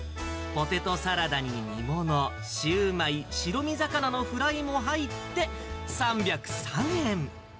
ポテトサラダに煮物、シューマイ、白身魚のフライも入って、３０３円。